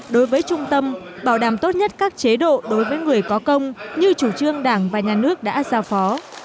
đối với trung tâm bảo đảm tốt nhất các chế độ đối với người có công như chủ trương đảng và nhà nước đã giao phó